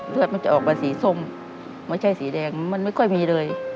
เลือดมันจะออกมาสีส้มไม่ใช่สีแดงมันไม่ค่อยมีเลย